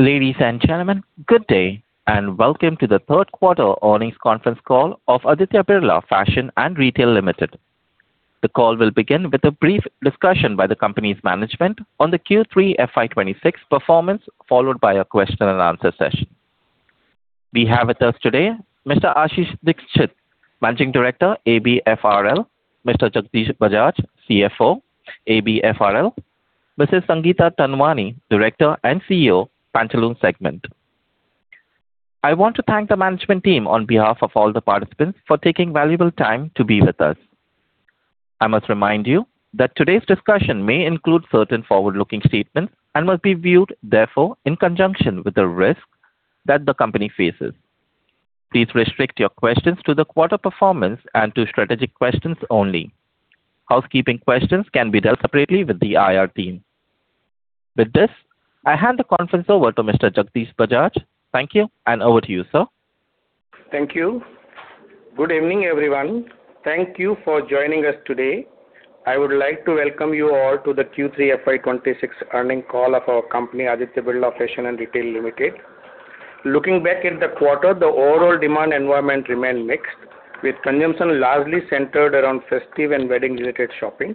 Ladies and gentlemen, good day, and welcome to the third quarter earnings conference call of Aditya Birla Fashion and Retail Limited. The call will begin with a brief discussion by the company's management on the Q3 FY 2026 performance, followed by a question and answer session. We have with us today Mr. Ashish Dikshit, Managing Director, ABFRL; Mr. Jagdish Bajaj, CFO, ABFRL; Mrs. Sangeeta Pendurkar, Director and CEO, Pantaloons segment. I want to thank the management team on behalf of all the participants for taking valuable time to be with us. I must remind you that today's discussion may include certain forward-looking statements and must be viewed, therefore, in conjunction with the risks that the company faces. Please restrict your questions to the quarter performance and to strategic questions only. Housekeeping questions can be dealt separately with the IR team. With this, I hand the conference over to Mr. Jagdish Bajaj. Thank you, and over to you, sir. Thank you. Good evening, everyone. Thank you for joining us today. I would like to welcome you all to the Q3 FY 2026 earnings call of our company, Aditya Birla Fashion and Retail Limited. Looking back at the quarter, the overall demand environment remained mixed, with consumption largely centered around festive and wedding-related shopping.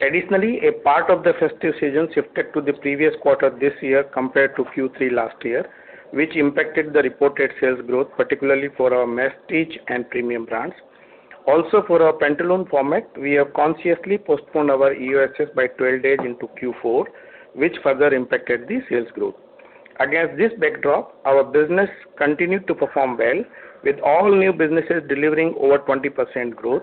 Additionally, a part of the festive season shifted to the previous quarter this year compared to Q3 last year, which impacted the reported sales growth, particularly for our mass segment and premium brands. Also, for our Pantaloons format, we have consciously postponed our EOSS by 12 days into Q4, which further impacted the sales growth. Against this backdrop, our business continued to perform well, with all new businesses delivering over 20% growth.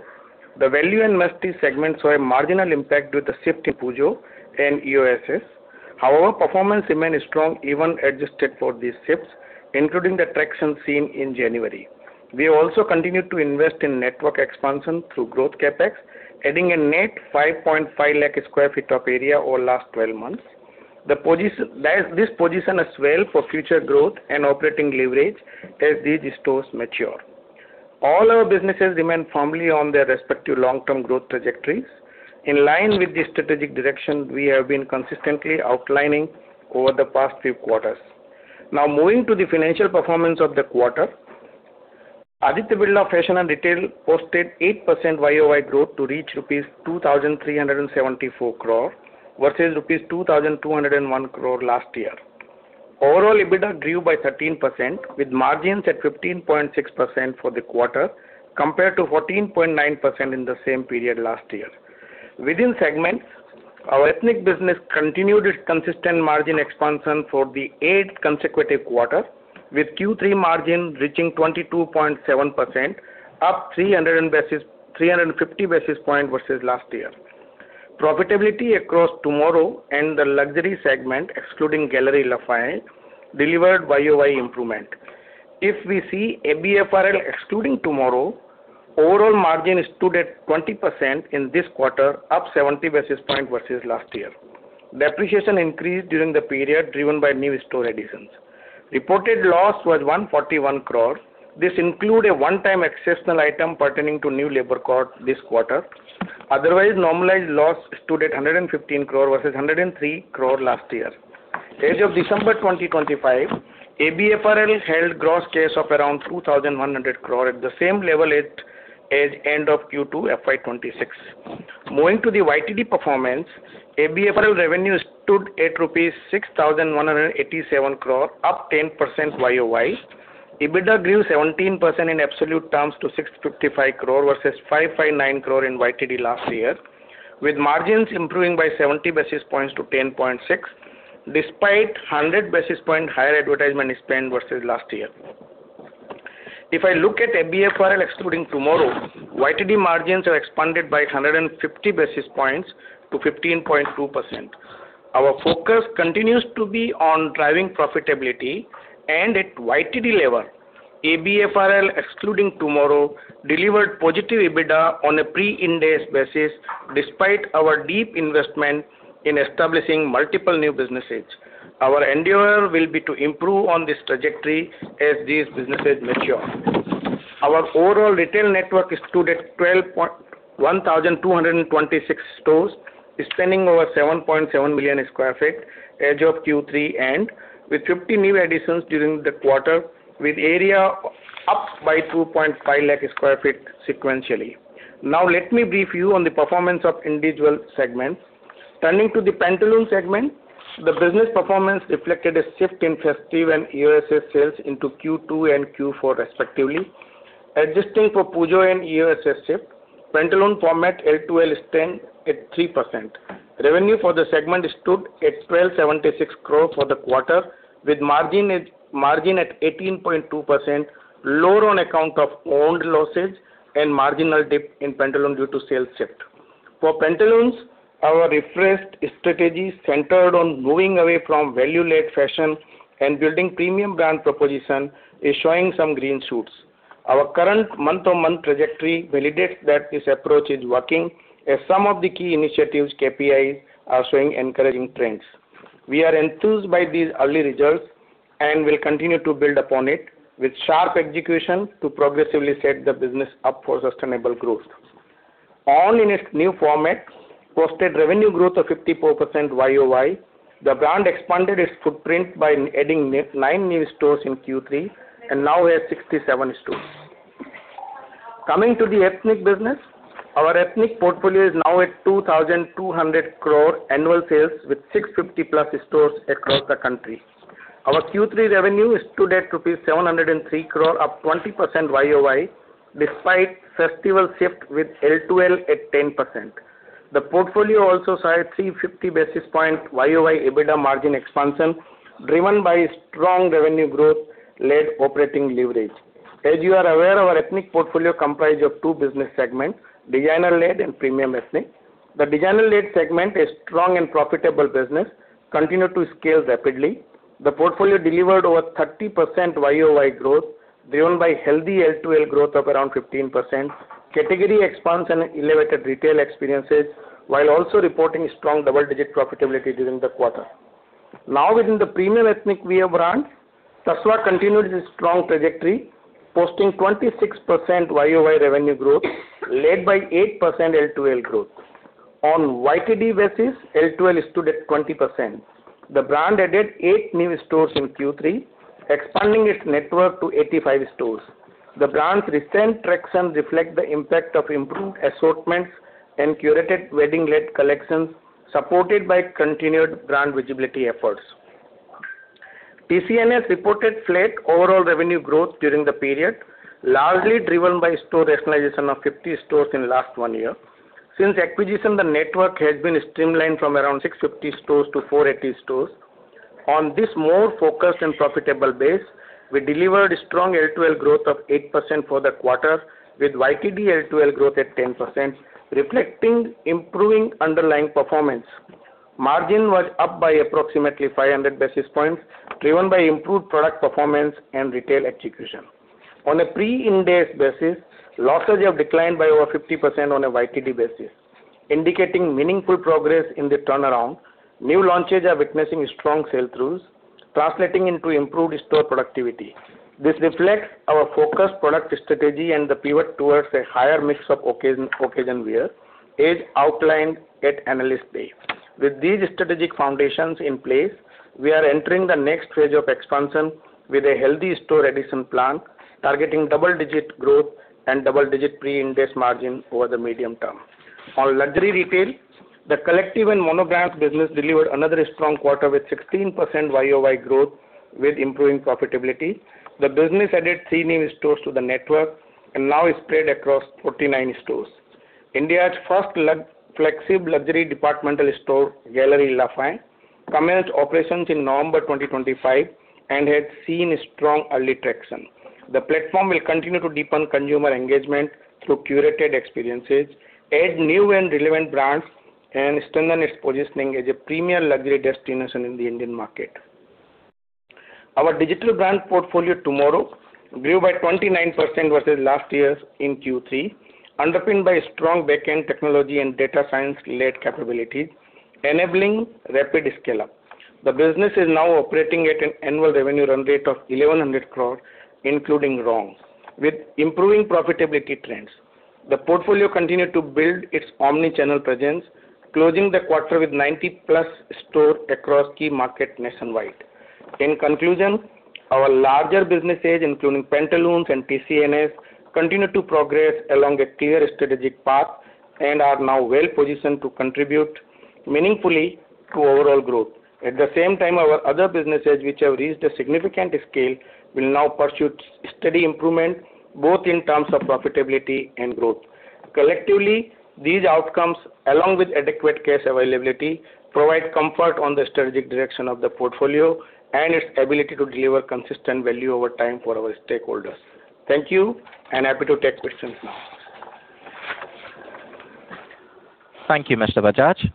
The value and mass segments saw a marginal impact with the shift in Pujo and EOSS. However, performance remained strong, even adjusted for these shifts, including the traction seen in January. We also continued to invest in network expansion through growth CapEx, adding a net 5.5 lakh sq ft of area over last 12 months. This positions us well for future growth and operating leverage as these stores mature. All our businesses remain firmly on their respective long-term growth trajectories. In line with the strategic direction we have been consistently outlining over the past few quarters. Now moving to the financial performance of the quarter. Aditya Birla Fashion and Retail posted 8% YOY growth to reach rupees 2,374 crore, versus rupees 2,201 crore last year. Overall, EBITDA grew by 13%, with margins at 15.6% for the quarter, compared to 14.9% in the same period last year. Within segments, our ethnic business continued its consistent margin expansion for the eighth consecutive quarter, with Q3 margin reaching 22.7%, up 350 basis points versus last year. Profitability across TMRW and the luxury segment, excluding Galeries Lafayette, delivered year-over-year improvement. If we see ABFRL excluding TMRW, overall margin stood at 20% in this quarter, up 70 basis points versus last year. Depreciation increased during the period, driven by new store additions. Reported loss was 141 crore. This include a one-time exceptional item pertaining to new labor codes this quarter. Otherwise, normalized loss stood at 115 crore versus 103 crore last year. As of December 2025, ABFRL held gross cash of around 2,100 crore, at the same level as at end of Q2 FY26. Moving to the YTD performance, ABFRL revenue stood at INR 6,187 crore, up 10% YOY. EBITDA grew 17% in absolute terms to INR 655 crore versus INR 559 crore in YTD last year, with margins improving by 70 basis points to 10.6%, despite 100 basis points higher advertisement spend versus last year. If I look at ABFRL excluding TMRW, YTD margins expanded by 150 basis points to 15.2%. Our focus continues to be on driving profitability and at YTD level. ABFRL, excluding TMRW, delivered positive EBITDA on a pre-Ind AS basis, despite our deep investment in establishing multiple new businesses. Our endeavor will be to improve on this trajectory as these businesses mature. Our overall retail network stood at 1,226 stores, expanding over 7.7 million sq ft as of Q3, and with 50 new additions during the quarter, with area up by 2.5 lakh sq ft sequentially. Now, let me brief you on the performance of individual segments. Turning to the Pantaloons segment, the business performance reflected a shift in festive and EOSS sales into Q2 and Q4, respectively. Adjusting for Pujo and EOSS shift, Pantaloons format LTL stand at 3%. Revenue for the segment stood at 1,276 crore for the quarter, with margin at, margin at 18.2%, lower on account of old losses and marginal dip in Pantaloons due to sales shift. For Pantaloons, our refreshed strategy centered on moving away from value-led fashion and building premium brand proposition is showing some green shoots. Our current month-on-month trajectory validates that this approach is working, as some of the key initiatives, KPIs, are showing encouraging trends. We are enthused by these early results and will continue to build upon it with sharp execution to progressively set the business up for sustainable growth.... all in its new format, posted revenue growth of 54% YOY. The brand expanded its footprint by adding nine new stores in Q3, and now we have 67 stores. Coming to the ethnic business, our ethnic portfolio is now at 2,200 crore annual sales, with 650+ stores across the country. Our Q3 revenue is today rupees 703 crore, up 20% YOY, despite festival shift with LTL at 10%. The portfolio also saw a 350 basis point YOY EBITDA margin expansion, driven by strong revenue growth-led operating leverage. As you are aware, our ethnic portfolio comprise of two business segments: designer-led and premium ethnic. The designer-led segment, a strong and profitable business, continued to scale rapidly. The portfolio delivered over 30% YOY growth, driven by healthy LTL growth of around 15%, category expansion, and elevated retail experiences, while also reporting strong double-digit profitability during the quarter. Now, within the premium ethnic wear brand, Tasva continued its strong trajectory, posting 26% YOY revenue growth, led by 8% LTL growth. On YTD basis, LTL stood at 20%. The brand added 8 new stores in Q3, expanding its network to 85 stores. The brand's recent traction reflect the impact of improved assortments and curated wedding-led collections, supported by continued brand visibility efforts. TCNS reported flat overall revenue growth during the period, largely driven by store rationalization of 50 stores in last one year. Since acquisition, the network has been streamlined from around 650 stores to 480 stores. On this more focused and profitable base, we delivered strong LTL growth of 8% for the quarter, with YTD LTL growth at 10%, reflecting improving underlying performance. Margin was up by approximately 500 basis points, driven by improved product performance and retail execution. On a Pre-Ind AS basis, losses have declined by over 50% on a YTD basis, indicating meaningful progress in the turnaround. New launches are witnessing strong sell-throughs, translating into improved store productivity. This reflects our focused product strategy and the pivot towards a higher mix of occasion wear, as outlined at Analyst Day. With these strategic foundations in place, we are entering the next phase of expansion with a healthy store addition plan, targeting double-digit growth and double-digit Pre-Ind AS margin over the medium term. On luxury retail, The Collective and Mono Brands' business delivered another strong quarter, with 16% YOY growth, with improving profitability. The business added 3 new stores to the network and now is spread across 49 stores. India's first luxury flagship luxury departmental store, Galeries Lafayette, commenced operations in November 2025 and has seen strong early traction. The platform will continue to deepen consumer engagement through curated experiences, add new and relevant brands, and strengthen its positioning as a premier luxury destination in the Indian market. Our digital brand portfolio TMRW grew by 29% versus last year's in Q3, underpinned by strong backend technology and data science-led capabilities, enabling rapid scale-up. The business is now operating at an annual revenue run rate of 1,100 crore, including TMRW, with improving profitability trends. The portfolio continued to build its Omni-channel presence, closing the quarter with 90+ stores across key markets nationwide. In conclusion, our larger businesses, including Pantaloons and TCNS, continue to progress along a clear strategic path and are now well positioned to contribute meaningfully to overall growth. At the same time, our other businesses, which have reached a significant scale, will now pursue steady improvement, both in terms of profitability and growth. Collectively, these outcomes, along with adequate cash availability, provide comfort on the strategic direction of the portfolio and its ability to deliver consistent value over time for our stakeholders. Thank you, and happy to take questions now. Thank you, Mr. Bajaj.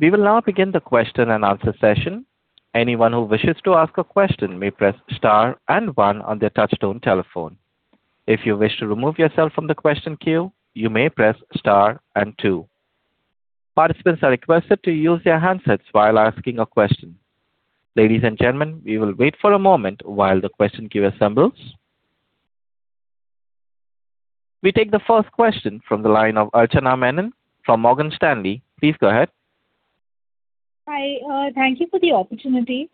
We will now begin the question-and-answer session. Anyone who wishes to ask a question may press star and one on their touchtone telephone. If you wish to remove yourself from the question queue, you may press star and two. Participants are requested to use their handsets while asking a question. Ladies and gentlemen, we will wait for a moment while the question queue assembles. We take the first question from the line of Archana Menon from Morgan Stanley. Please go ahead. Hi, thank you for the opportunity.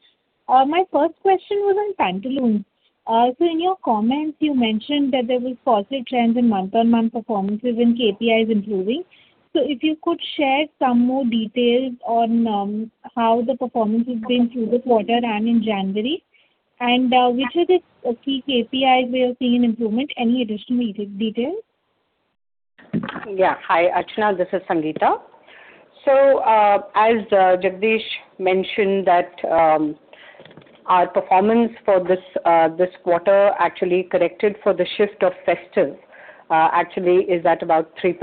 My first question was on Pantaloons. So in your comments, you mentioned that there was positive trends in month-on-month performances and KPIs improving. So if you could share some more details on, how the performance has been through this quarter and in January, and, which are the key KPIs we are seeing improvement, any additional details? Yeah. Hi, Archana, this is Sangeeta. So, as Jagdish mentioned, our performance for this quarter actually corrected for the shift of festive actually is at about 3%.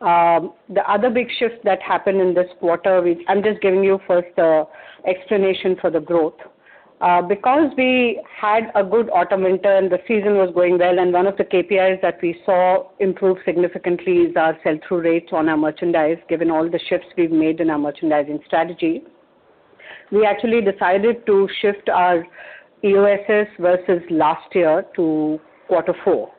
The other big shift that happened in this quarter, which I'm just giving you first the explanation for the growth. Because we had a good autumn winter, and the season was going well, and one of the KPIs that we saw improve significantly is our sell-through rates on our merchandise, given all the shifts we've made in our merchandising strategy. We actually decided to shift our EOSS versus last year to quarter four.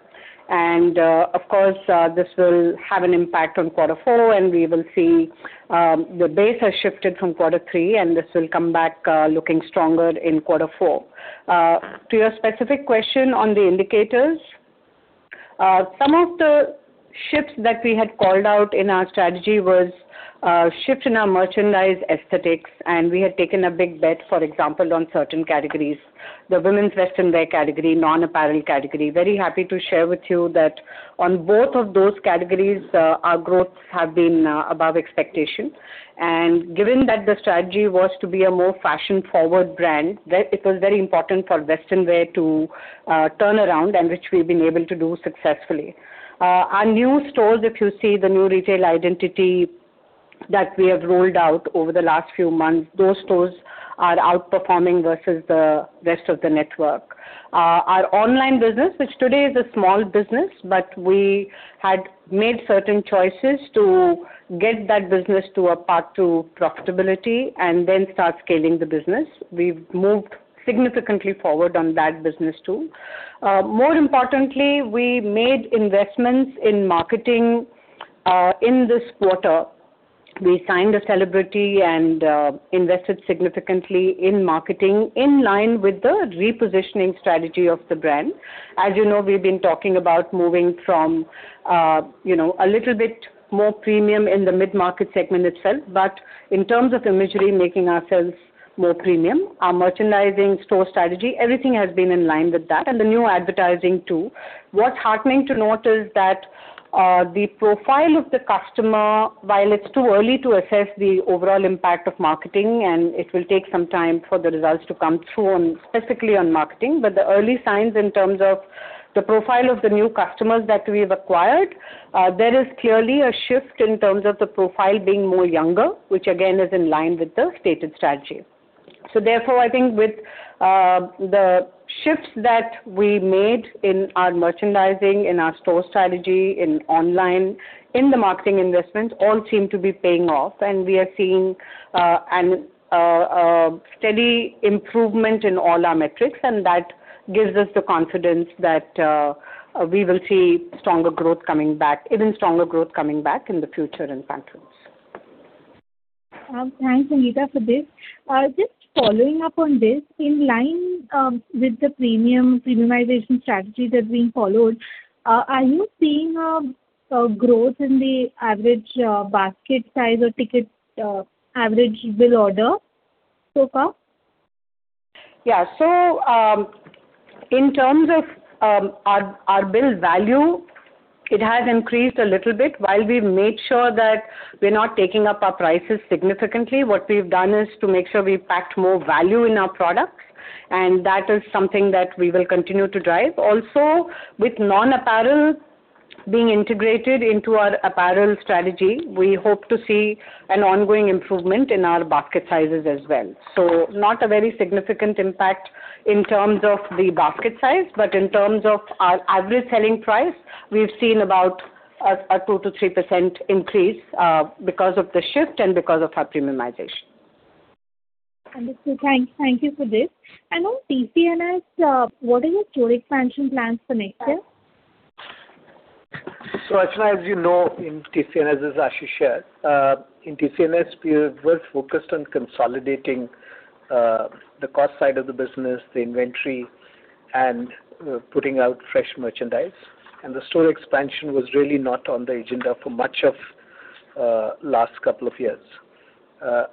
And, of course, this will have an impact on quarter four, and we will see the base has shifted from quarter three, and this will come back looking stronger in quarter four. To your specific question on the indicators, some of the shifts that we had called out in our strategy was shift in our merchandise aesthetics, and we had taken a big bet, for example, on certain categories. The women's western wear category, non-apparel category. Very happy to share with you that on both of those categories, our growth have been above expectation. Given that the strategy was to be a more fashion-forward brand, that it was very important for western wear to turn around, and which we've been able to do successfully. Our new stores, if you see the new retail identity that we have rolled out over the last few months, those stores are outperforming versus the rest of the network. Our online business, which today is a small business, but we had made certain choices to get that business to a path to profitability and then start scaling the business. We've moved significantly forward on that business, too. More importantly, we made investments in marketing in this quarter. We signed a celebrity and invested significantly in marketing, in line with the repositioning strategy of the brand. As you know, we've been talking about moving from, you know, a little bit more premium in the mid-market segment itself. But in terms of imagery, making ourselves more premium, our merchandising store strategy, everything has been in line with that, and the new advertising, too. What's heartening to note is that, the profile of the customer, while it's too early to assess the overall impact of marketing, and it will take some time for the results to come through on, specifically on marketing, but the early signs in terms of the profile of the new customers that we've acquired, there is clearly a shift in terms of the profile being more younger, which again, is in line with the stated strategy. So therefore, I think with, the shifts that we made in our merchandising, in our store strategy, in online, in the marketing investments, all seem to be paying off, and we are seeing, a steady improvement in all our metrics, and that gives us the confidence that, we will see stronger growth coming back, even stronger growth coming back in the future in Pantaloons. Thanks, Sangeeta, for this. Just following up on this, in line with the premium premiumization strategy that we followed, are you seeing a growth in the average basket size or ticket average bill order so far? Yeah. So, in terms of our bill value, it has increased a little bit. While we've made sure that we're not taking up our prices significantly, what we've done is to make sure we've packed more value in our products, and that is something that we will continue to drive. Also, with non-apparel being integrated into our apparel strategy, we hope to see an ongoing improvement in our basket sizes as well. So not a very significant impact in terms of the basket size, but in terms of our average selling price, we've seen about a 2%-3% increase, because of the shift and because of our premiumization. Understood. Thank you for this. On TCNS, what are your store expansion plans for next year? So, Archana, as you know, in TCNS, as Ashish shared, in TCNS, we were focused on consolidating, the cost side of the business, the inventory, and, putting out fresh merchandise. And the store expansion was really not on the agenda for much of, last couple of years.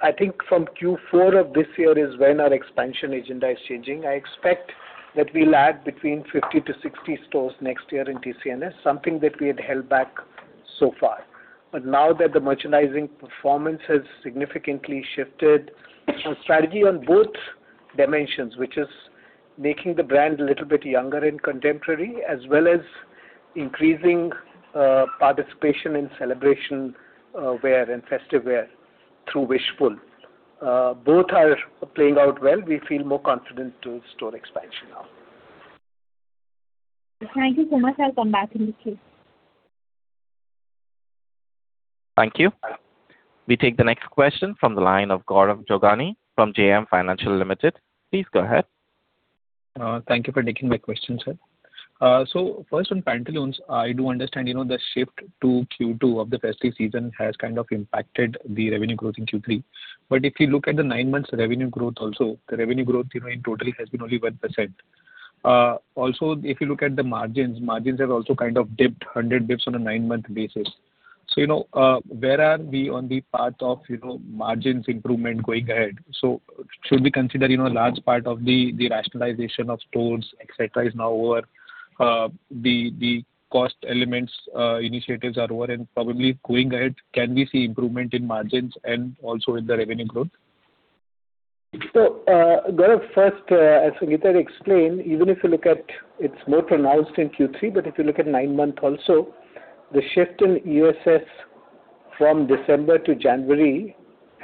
I think from Q4 of this year is when our expansion agenda is changing. I expect that we'll add between 50-60 stores next year in TCNS, something that we had held back so far. But now that the merchandising performance has significantly shifted, our strategy on both dimensions, which is making the brand a little bit younger and contemporary, as well as increasing, participation in celebration, wear and festive wear through Wishful. Both are playing out well. We feel more confident to store expansion now. Thank you so much. I'll come back in the queue. Thank you. We take the next question from the line of Gaurav Jogani from JM Financial Limited. Please go ahead. Thank you for taking my question, sir. So first on Pantaloons, I do understand, you know, the shift to Q2 of the festive season has kind of impacted the revenue growth in Q3. But if you look at the nine months revenue growth also, the revenue growth, you know, in total has been only 1%. Also, if you look at the margins, margins have also kind of dipped 100 basis points on a nine-month basis. So, you know, where are we on the path of, you know, margins improvement going ahead? So should we consider, you know, a large part of the, the rationalization of stores, et cetera, is now over, the, the cost elements, initiatives are over, and probably going ahead, can we see improvement in margins and also in the revenue growth? So, Gaurav, first, as Sangeeta explained, even if you look at... It's more pronounced in Q3, but if you look at nine-month also, the shift in EOSS from December to January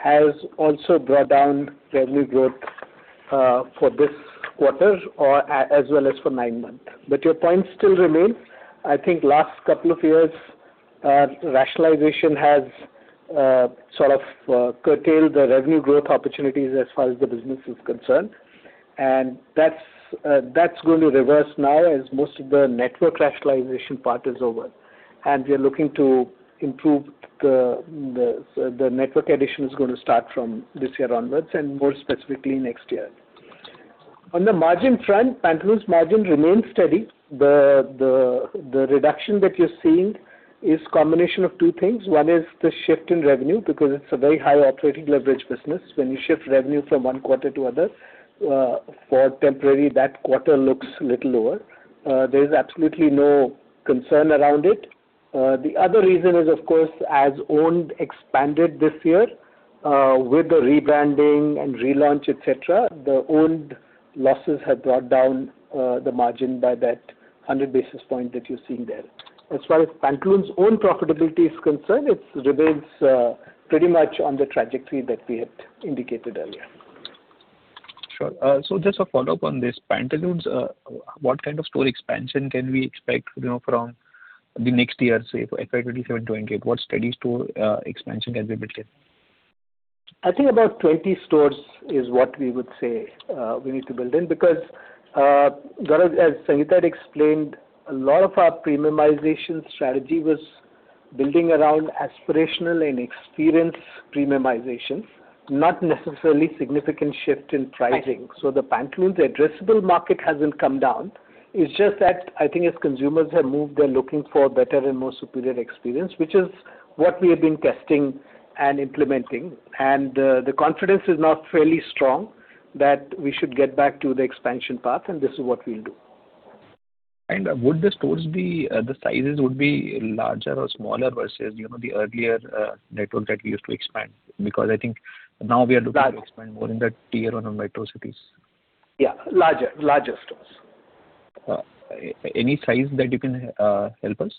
has also brought down the revenue growth.... for this quarter or as well as for nine months. But your point still remains. I think last couple of years, rationalization has, sort of, curtailed the revenue growth opportunities as far as the business is concerned, and that's, that's going to reverse now as most of the network rationalization part is over, and we are looking to improve the, so the network addition is going to start from this year onwards, and more specifically next year. On the margin front, Pantaloons margin remains steady. The reduction that you're seeing is combination of two things. One is the shift in revenue, because it's a very high operating leverage business. When you shift revenue from one quarter to other, for temporary, that quarter looks a little lower. There is absolutely no concern around it. The other reason is, of course, as OWND expanded this year, with the rebranding and relaunch, et cetera, the OWND losses have brought down the margin by that 100 basis point that you're seeing there. As far as Pantaloons' own profitability is concerned, it remains pretty much on the trajectory that we had indicated earlier. Sure. So just a follow-up on this. Pantaloons, what kind of store expansion can we expect, you know, from the next year, say, for FY 2027-2028? What steady store expansion can we build in? I think about 20 stores is what we would say, we need to build in. Because, Gaurav, as Sangeeta had explained, a lot of our premiumization strategy was building around aspirational and experienced premiumization, not necessarily significant shift in pricing. I see. The Pantaloons' addressable market hasn't come down. It's just that I think as consumers have moved, they're looking for better and more superior experience, which is what we have been testing and implementing. The confidence is now fairly strong that we should get back to the expansion path, and this is what we'll do. Would the stores be... the sizes would be larger or smaller versus, you know, the earlier network that we used to expand? Because I think now we are looking- That- -to expand more in the Tier 1 and metro cities. Yeah, larger, larger stores. Any size that you can help us?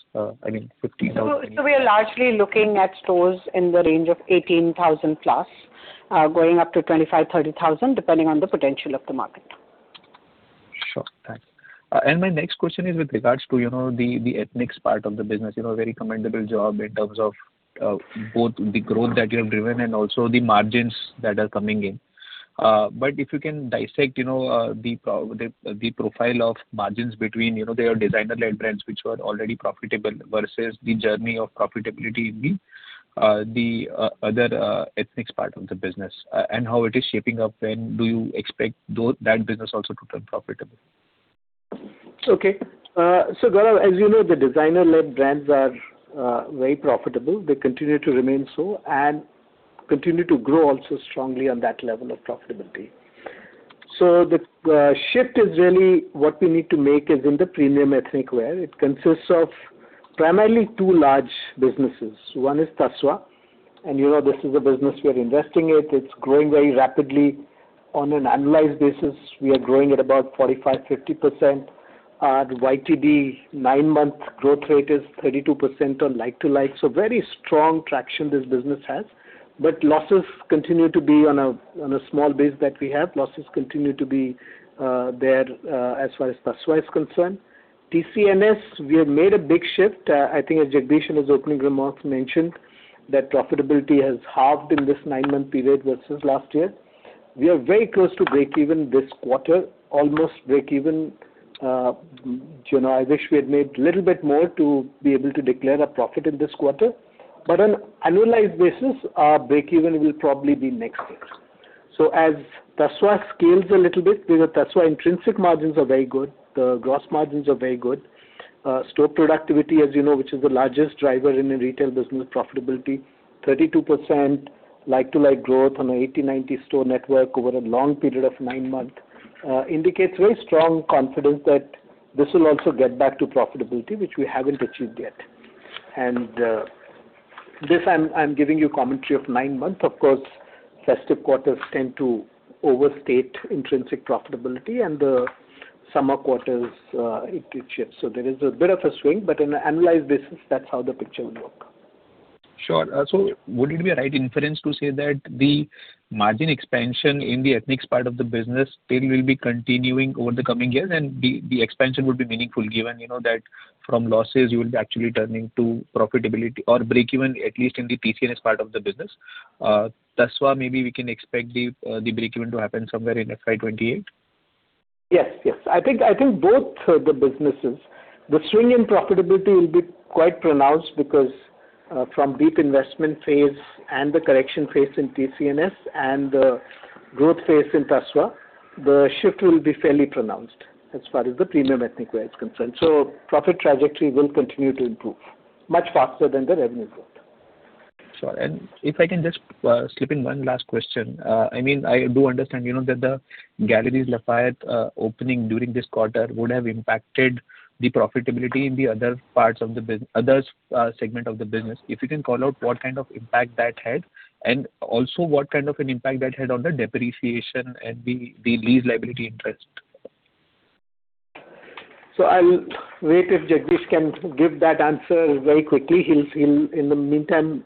I mean, 50,000- So, we are largely looking at stores in the range of 18,000+, going up to 25,000-30,000, depending on the potential of the market. Sure. Thanks. And my next question is with regards to, you know, the ethnics part of the business. You know, very commendable job in terms of both the growth that you have driven and also the margins that are coming in. But if you can dissect, you know, the profile of margins between, you know, their designer-led brands, which were already profitable, versus the journey of profitability in the other ethnics part of the business, and how it is shaping up, when do you expect that business also to turn profitable? Okay. So Gaurav, as you know, the designer-led brands are very profitable. They continue to remain so and continue to grow also strongly on that level of profitability. So the shift is really what we need to make is in the premium ethnic wear. It consists of primarily two large businesses. One is Tasva, and you know, this is a business we are investing in. It's growing very rapidly. On an annualized basis, we are growing at about 45-50%. The YTD nine-month growth rate is 32% on like-to-like. So very strong traction this business has, but losses continue to be on a small base that we have. Losses continue to be there as far as Tasva is concerned. TCNS, we have made a big shift. I think as Jagdish in his opening remarks mentioned, that profitability has halved in this nine-month period versus last year. We are very close to breakeven this quarter, almost breakeven. You know, I wish we had made little bit more to be able to declare a profit in this quarter, but on annualized basis, our breakeven will probably be next year. So as Tasva scales a little bit, because Tasva intrinsic margins are very good, the gross margins are very good. Store productivity, as you know, which is the largest driver in a retail business profitability, 32% like-to-like growth on a 80-90 store network over a long period of nine months, indicates very strong confidence that this will also get back to profitability, which we haven't achieved yet. And, this, I'm giving you commentary of nine months. Of course, festive quarters tend to overstate intrinsic profitability and the summer quarters, it shifts. So there is a bit of a swing, but in an annualized basis, that's how the picture would look. Sure. So would it be a right inference to say that the margin expansion in the ethnics part of the business still will be continuing over the coming years, and the, the expansion would be meaningful, given you know that from losses you will be actually turning to profitability or breakeven, at least in the TCNS part of the business? TASVA, maybe we can expect the, the breakeven to happen somewhere in FY 2028? Yes, yes. I think, I think both, the businesses, the swing in profitability will be quite pronounced because, from deep investment phase and the correction phase in TCNS and the growth phase in TASVA, the shift will be fairly pronounced as far as the premium ethnic wear is concerned. So profit trajectory will continue to improve much faster than the revenue growth. Sure. And if I can just slip in one last question. I mean, I do understand, you know, that the Galeries Lafayette opening during this quarter would have impacted the profitability in the other parts of the business - others segment of the business. If you can call out what kind of impact that had, and also what kind of an impact that had on the depreciation and the lease liability interest?... So I'll wait if Jagdish can give that answer very quickly. He'll in the meantime,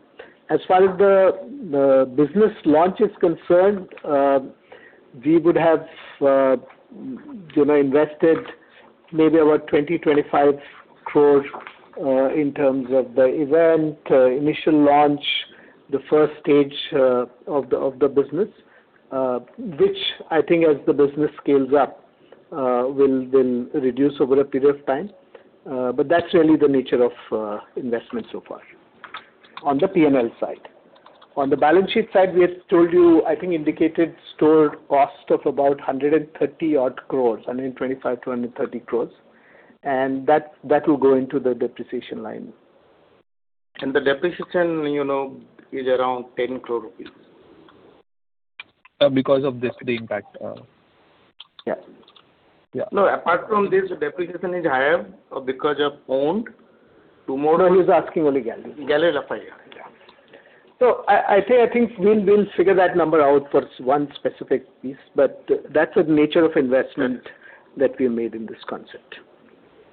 as far as the business launch is concerned, we would have, you know, invested maybe about 25 crore in terms of the event initial launch, the first stage of the business, which I think as the business scales up will reduce over a period of time. But that's really the nature of investment so far on the P&L side. On the balance sheet side, we have told you, I think indicated store cost of about 130-odd crores, 125 crore-130 crore, and that will go into the depreciation line. The depreciation, you know, is around 10 crore rupees. Because of this, the impact. Yeah. Yeah. No, apart from this, the depreciation is higher, because of Owned to- No, he's asking only Galeries. Galeries Lafayette. Yeah. So I say I think we'll figure that number out for one specific piece, but that's the nature of investment that we have made in this concept.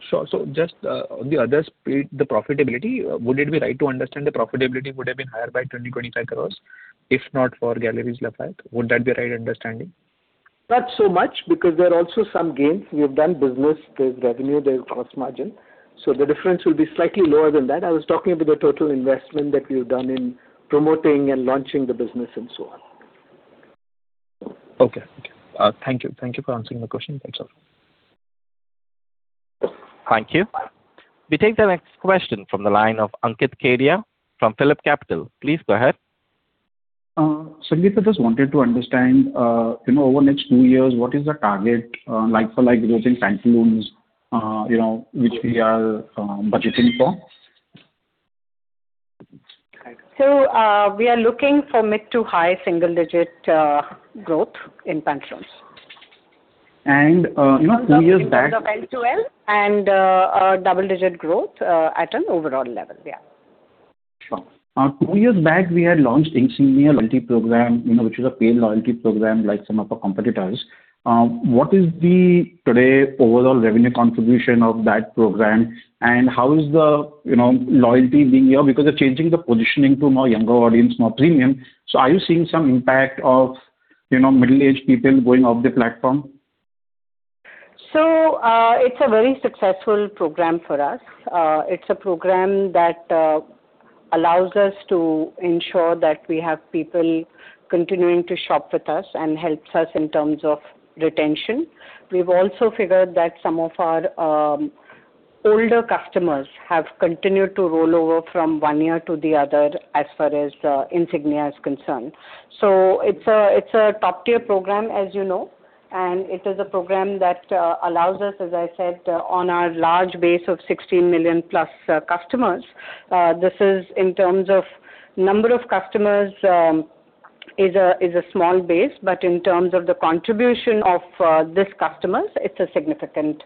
Sure. So just on the other side, the profitability, would it be right to understand the profitability would have been higher by 20 crore-25 crore, if not for Galeries Lafayette? Would that be the right understanding? Not so much, because there are also some gains. We have done business, there's revenue, there is cost margin, so the difference will be slightly lower than that. I was talking about the total investment that we've done in promoting and launching the business and so on. Okay. Okay. Thank you. Thank you for answering my question. Thanks a lot. Thank you. We take the next question from the line of Ankit Kedia from PhillipCapital. Please go ahead. I just wanted to understand, you know, over the next two years, what is the target, like for, like, growing Pantaloons, you know, which we are budgeting for? We are looking for mid- to high-single-digit growth in Pantaloons. You know, two years back- In terms of L2L and a double-digit growth at an overall level. Yeah. Sure. Two years back, we had launched Insignia loyalty program, you know, which is a paid loyalty program like some of our competitors. What is the today overall revenue contribution of that program, and how is the, you know, loyalty being here? Because we're changing the positioning to a more younger audience, more premium. So are you seeing some impact of, you know, middle-aged people going off the platform? So, it's a very successful program for us. It's a program that allows us to ensure that we have people continuing to shop with us and helps us in terms of retention. We've also figured that some of our older customers have continued to roll over from one year to the other as far as the Insignia is concerned. So it's a top-tier program, as you know, and it is a program that allows us, as I said, on our large base of 16 million plus customers. This, in terms of number of customers, is a small base, but in terms of the contribution of these customers, it's a significant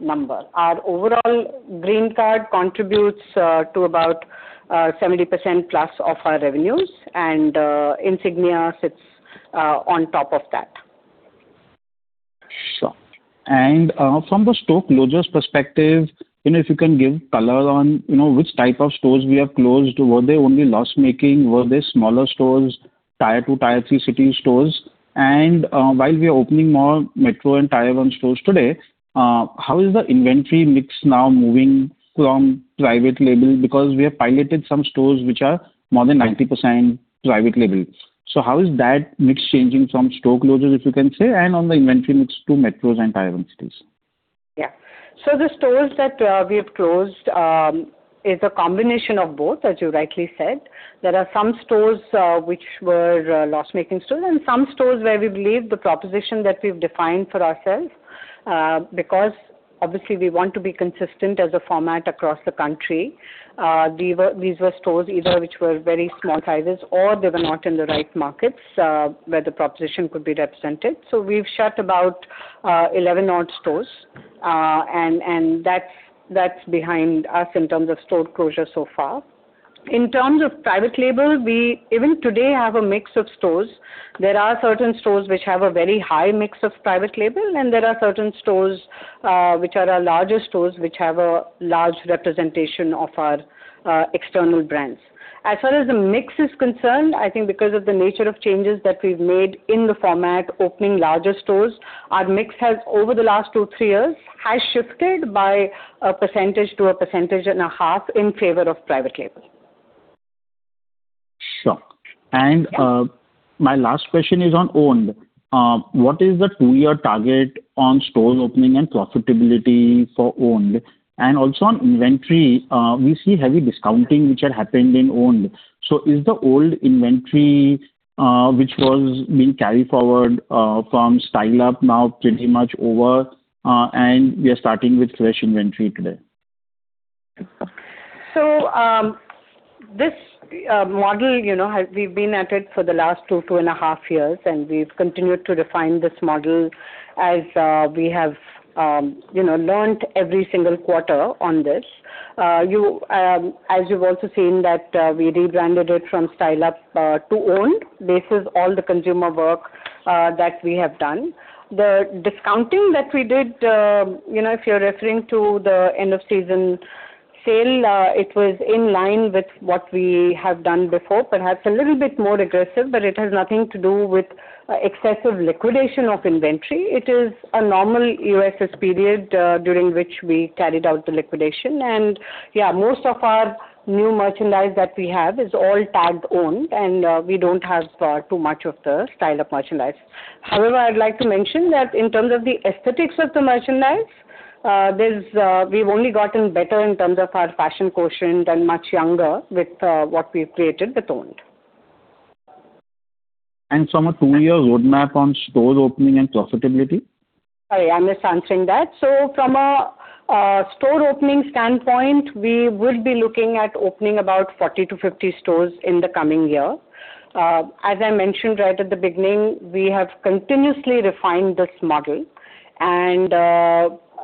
number. Our overall Green Card contributes to about 70%+ of our revenues, and Insignia sits on top of that. Sure. And, from the store closures perspective, you know, if you can give color on, you know, which type of stores we have closed. Were they only loss-making? Were they smaller stores, Tier 2, Tier 3 city stores? And, while we are opening more metro and Tier 1 stores today, how is the inventory mix now moving from private label? Because we have piloted some stores which are more than 90% private label. So how is that mix changing from store closures, if you can say, and on the inventory mix to metros and Tier 1 cities? Yeah. So the stores that we have closed is a combination of both, as you rightly said. There are some stores which were loss-making stores, and some stores where we believe the proposition that we've defined for ourselves because obviously we want to be consistent as a format across the country. These were stores either which were very small sizes or they were not in the right markets where the proposition could be represented. So we've shut about 11 odd stores, and that's behind us in terms of store closure so far. In terms of private label, we even today have a mix of stores. There are certain stores which have a very high mix of private label, and there are certain stores, which are our larger stores, which have a large representation of our external brands. As far as the mix is concerned, I think because of the nature of changes that we've made in the format, opening larger stores, our mix has, over the last two, three years, has shifted by 1%-1.5% in favor of private label. Sure. Yeah. And, my last question is on OWND!. What is the two-year target on store opening and profitability for OWND!? And also on inventory, we see heavy discounting which had happened in OWND!. So is the old inventory, which was being carried forward, from Style Up now pretty much over, and we are starting with fresh inventory today? So, this model, you know, we've been at it for the last 2, 2.5 years, and we've continued to refine this model as we have, you know, learned every single quarter on this. As you've also seen that, we rebranded it from Style Up to OWND!. This is all the consumer work that we have done. The discounting that we did, you know, if you're referring to the end-of-season sale, it was in line with what we have done before, perhaps a little bit more aggressive, but it has nothing to do with excessive liquidation of inventory. It is a normal EOSS period during which we carried out the liquidation. And, yeah, most of our new merchandise that we have is all tagged OWND!, and we don't have too much of the Style Up merchandise. However, I'd like to mention that in terms of the aesthetics of the merchandise, we've only gotten better in terms of our fashion quotient and much younger with what we've created with OWND!. From a two-year roadmap on stores opening and profitability? Sorry, I'm just answering that. So from a store opening standpoint, we will be looking at opening about 40-50 stores in the coming year. As I mentioned right at the beginning, we have continuously refined this model, and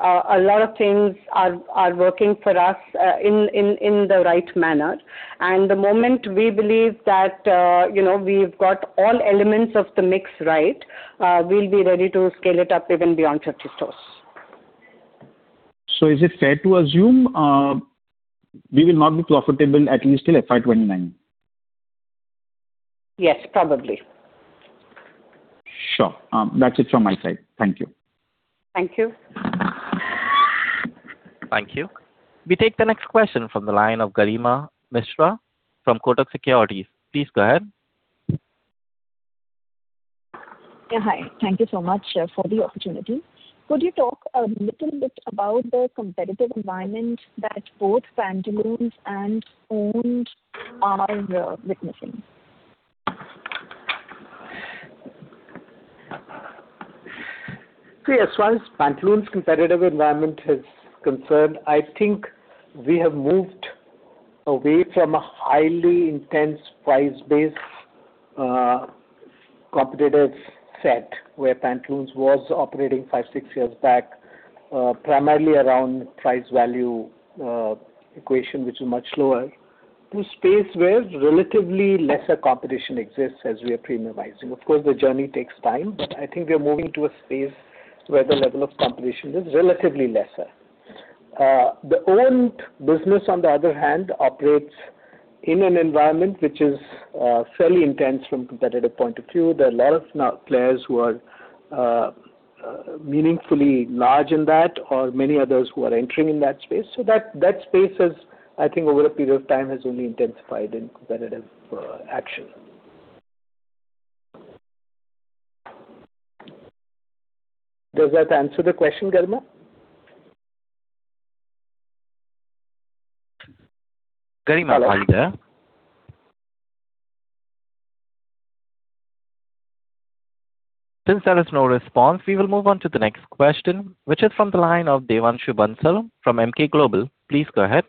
a lot of things are working for us in the right manner. And the moment we believe that, you know, we've got all elements of the mix right, we'll be ready to scale it up even beyond 30 stores. Is it fair to assume we will not be profitable at least till FY 2029? Yes, probably. Sure. That's it from my side. Thank you. Thank you. Thank you. We take the next question from the line of Garima Mishra from Kotak Securities. Please go ahead. Yeah, hi. Thank you so much for the opportunity. Could you talk a little bit about the competitive environment that both Pantaloons and OWND are witnessing? See, as far as Pantaloons' competitive environment is concerned, I think we have moved away from a highly intense, price-based, competitive set, where Pantaloons was operating 5, 6 years back, primarily around price-value equation, which is much lower, to space where relatively lesser competition exists as we are premiumizing. Of course, the journey takes time, but I think we are moving to a space where the level of competition is relatively lesser. The OWND! business, on the other hand, operates in an environment which is fairly intense from competitive point of view. There are a lot of new players who are meaningfully large in that, or many others who are entering in that space. So that space has, I think, over a period of time, only intensified in competitive action. Does that answer the question, Garima? Garima, are you there? Since there is no response, we will move on to the next question, which is from the line of Devanshu Bansal from Emkay Global. Please go ahead.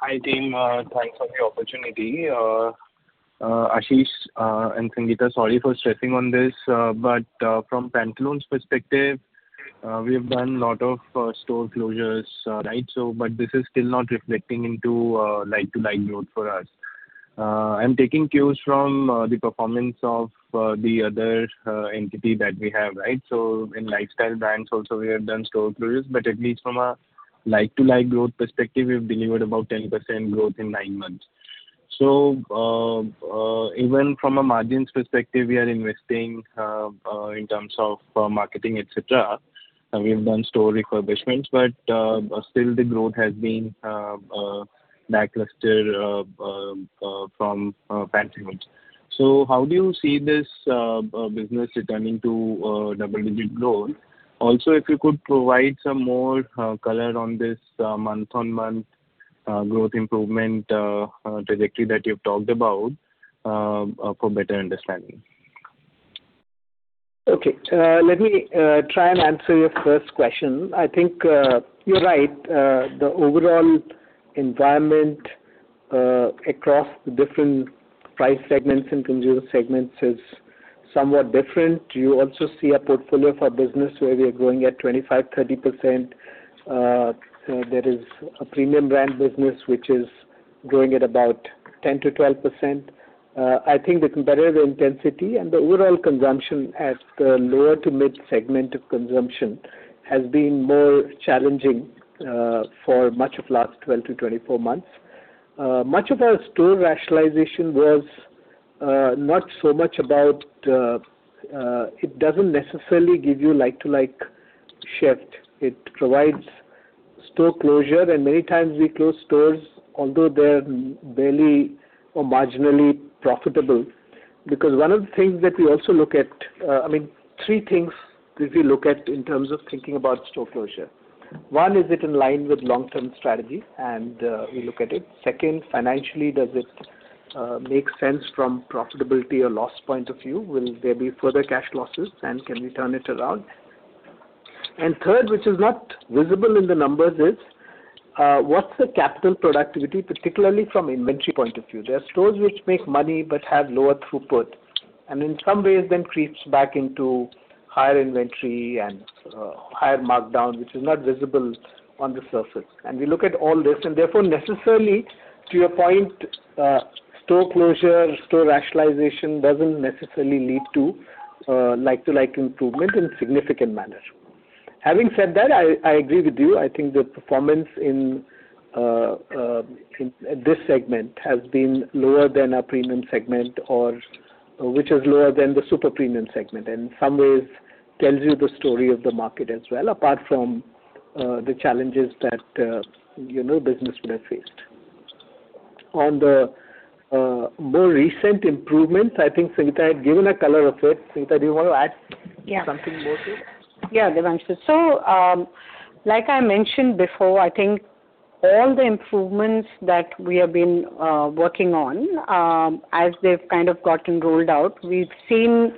Hi, team. Thanks for the opportunity. Ashish, and Sangeeta, sorry for stressing on this, but from Pantaloons' perspective, we have done a lot of store closures, right? So, but this is still not reflecting into like-to-like growth for us. I'm taking cues from the performance of the other entity that we have, right? So in lifestyle brands also, we have done store closures, but at least from a like-to-like growth perspective, we've delivered about 10% growth in nine months. So, even from a margins perspective, we are investing in terms of marketing, et cetera, and we have done store refurbishments, but still the growth has been lackluster from Pantaloons. So how do you see this business returning to double-digit growth? Also, if you could provide some more color on this month-on-month growth improvement trajectory that you've talked about for better understanding? Okay. Let me try and answer your first question. I think you're right. The overall environment across the different price segments and consumer segments is somewhat different. You also see a portfolio for business where we are growing at 25%-30%. There is a premium brand business, which is growing at about 10%-12%. I think the competitive intensity and the overall consumption at the lower to mid segment of consumption has been more challenging for much of last 12-24 months. Much of our store rationalization was not so much about... It doesn't necessarily give you like-to-like shift. It provides store closure, and many times we close stores, although they're barely or marginally profitable. Because one of the things that we also look at, I mean, three things that we look at in terms of thinking about store closure. One, is it in line with long-term strategy? And, we look at it. Second, financially, does it make sense from profitability or loss point of view? Will there be further cash losses, and can we turn it around? And third, which is not visible in the numbers, is, what's the capital productivity, particularly from inventory point of view? There are stores which make money but have lower throughput.... and in some ways, then creeps back into higher inventory and, higher markdown, which is not visible on the surface. And we look at all this, and therefore, necessarily, to your point, store closure, store rationalization doesn't necessarily lead to, Like-to-Like improvement in significant manner. Having said that, I, I agree with you. I think the performance in this segment has been lower than our premium segment or which is lower than the super premium segment, in some ways tells you the story of the market as well, apart from the challenges that, you know, business would have faced. On the more recent improvements, I think Sangeeta had given a color of it. Sangeeta, do you want to add- Yeah. Something more to it? Yeah, Devanshu. So, like I mentioned before, I think all the improvements that we have been working on, as they've kind of gotten rolled out, we've seen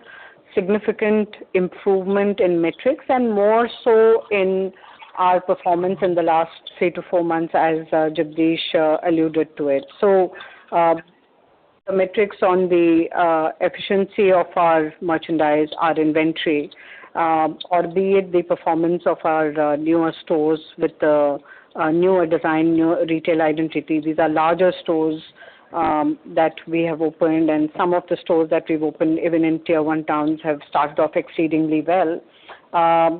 significant improvement in metrics, and more so in our performance in the last 3-4 months, as Jagdish alluded to it. So, the metrics on the efficiency of our merchandise, our inventory, or be it the performance of our newer stores with the newer design, newer retail identity. These are larger stores that we have opened, and some of the stores that we've opened, even in Tier 1 towns, have started off exceedingly well.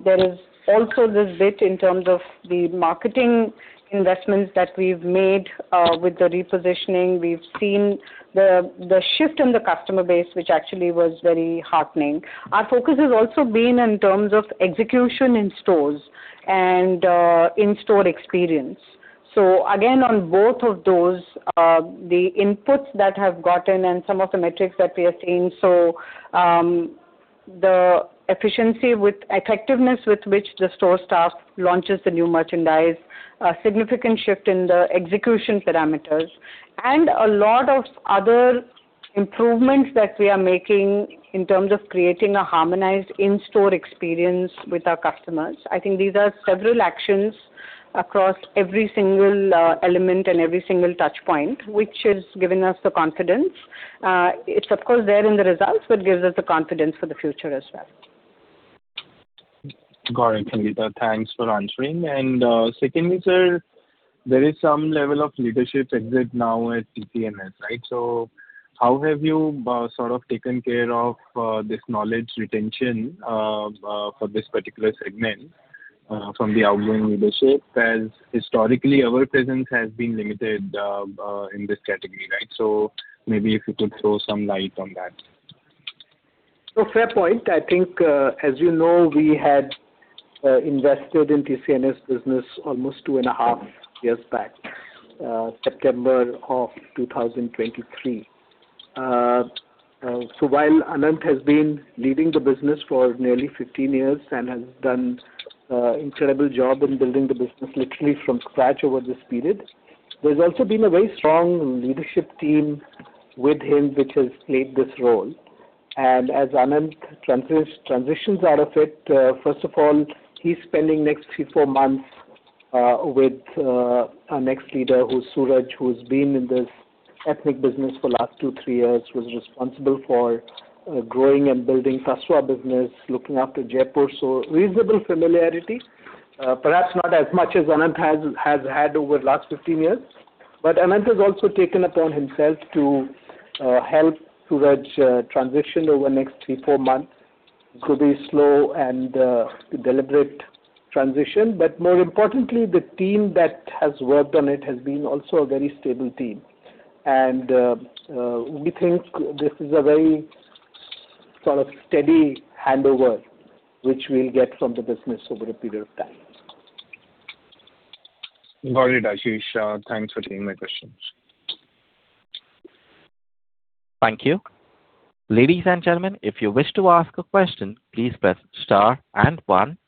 There is also this bit in terms of the marketing investments that we've made with the repositioning. We've seen the shift in the customer base, which actually was very heartening. Our focus has also been in terms of execution in stores and in-store experience. Again, on both of those, the inputs that have gotten and some of the metrics that we have seen, the efficiency with effectiveness with which the store staff launches the new merchandise, a significant shift in the execution parameters, and a lot of other improvements that we are making in terms of creating a harmonized in-store experience with our customers. I think these are several actions across every single element and every single touch point, which has given us the confidence. It's of course there in the results, but gives us the confidence for the future as well. Got it, Sangeeta. Thanks for answering. Secondly, sir, there is some level of leadership exit now at TCNS, right? So how have you, sort of taken care of, this knowledge retention, for this particular segment, from the outgoing leadership? As historically, our presence has been limited, in this category, right? So maybe if you could throw some light on that. So fair point. I think, as you know, we had invested in TCNS business almost 2.5 years back, September of 2023. So while Anant has been leading the business for nearly 15 years and has done incredible job in building the business literally from scratch over this period, there's also been a very strong leadership team with him, which has played this role. And as Anant transitions out of it, first of all, he's spending next 3-4 months with our next leader, who's Sooraj, who's been in this ethnic business for the last 2-3 years. Was responsible for growing and building Sabyasachi business, looking after Jaypore, so reasonable familiarity, perhaps not as much as Anant has had over the last 15 years. But Anant has also taken upon himself to help Sooraj transition over the next 3-4 months. It could be slow and deliberate transition, but more importantly, the team that has worked on it has been also a very stable team. And we think this is a very sort of steady handover, which we'll get from the business over a period of time. Got it, Ashish. Thanks for taking my questions. Thank you. Ladies and gentlemen, if you wish to ask a question, please press star and one.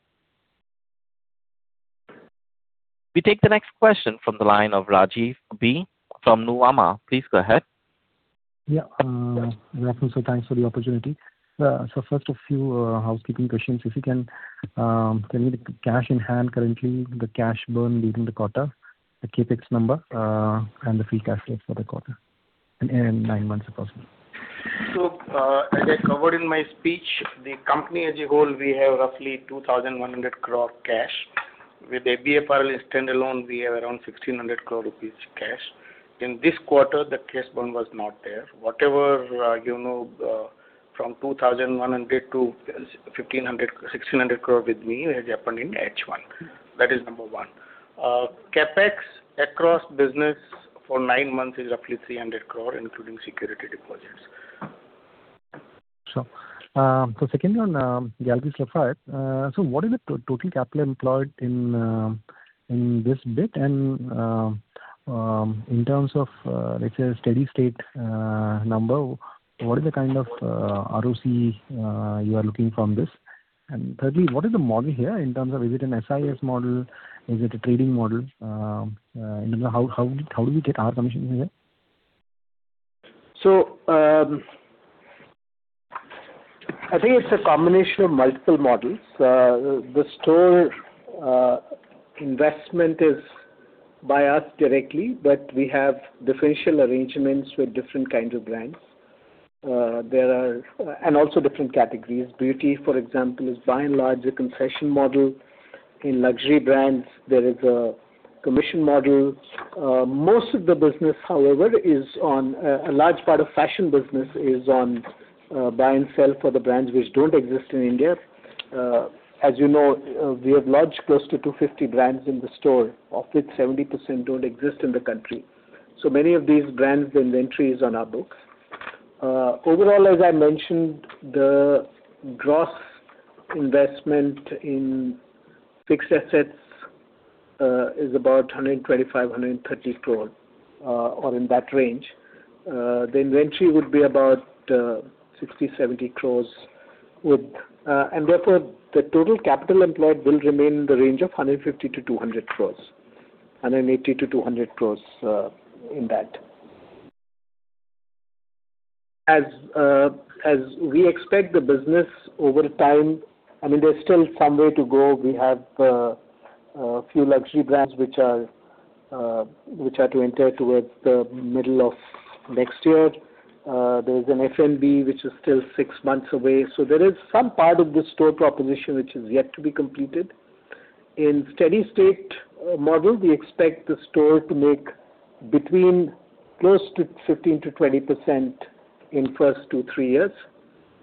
We take the next question from the line of Rajiv B. from Nuvama. Please go ahead. Yeah, good afternoon, sir. Thanks for the opportunity. So first, a few housekeeping questions, if you can. Tell me the cash in hand currently, the cash burn during the quarter, the CapEx number, and the free cash flow for the quarter, and nine months, if possible. So, as I covered in my speech, the company as a whole, we have roughly 2,100 crore cash. With ABFRL standalone, we have around 1,600 crore rupees cash. In this quarter, the cash burn was not there. Whatever, you know, from 2,100 crore to 1,500, 1,600 crore with me, it happened in H1. That is number one. CapEx across business for nine months is roughly 300 crore, including security deposits. Sure. So secondly, on Galeries Lafayette. So what is the total capital employed in this bit? And in terms of, let's say, a steady state number, what is the kind of ROC you are looking from this? And thirdly, what is the model here in terms of... Is it an SIS model? Is it a trading model? You know, how do we take our commission in it? So, I think it's a combination of multiple models. The store investment is by us directly, but we have differential arrangements with different kinds of brands and also different categories. Beauty, for example, is by and large, a concession model. In luxury brands, there is a commission model. Most of the business, however, is on, a large part of fashion business is on, buy and sell for the brands which don't exist in India. As you know, we have launched close to 250 brands in the store, of which 70% don't exist in the country. So many of these brands, the inventory is on our books. Overall, as I mentioned, the gross investment in fixed assets is about 125-130 crore or in that range. The inventory would be about 60-70 crores with... And therefore, the total capital employed will remain in the range of 150-200 crores, 180-200 crores, in that. As we expect the business over time, I mean, there's still some way to go. We have a few luxury brands which are which are to enter towards the middle of next year. There's an F&B, which is still six months away. So there is some part of the store proposition which is yet to be completed. In steady state model, we expect the store to make between close to 15%-20% in first two, three years,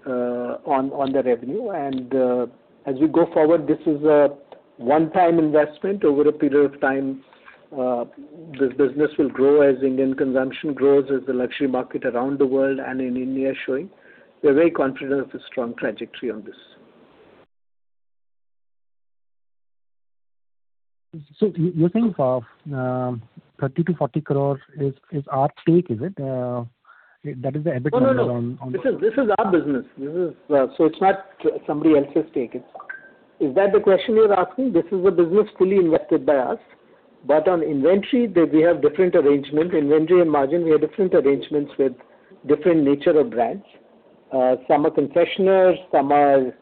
on the revenue. And as we go forward, this is a one-time investment. Over a period of time, this business will grow as Indian consumption grows, as the luxury market around the world and in India is showing. We're very confident of a strong trajectory on this. So you think of 30 crore-40 crore is our take, is it? That is the EBITDA on the- No, no, no. This is, this is our business. This is, so it's not somebody else's take. Is that the question you're asking? This is a business fully invested by us, but on inventory, they, we have different arrangement. Inventory and margin, we have different arrangements with different nature of brands. Some are concessionaires, some are